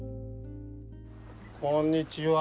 こんにちは。